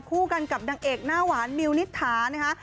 คู่กันกับนางเอกหน้าหวานมิวนิษฐานะคะ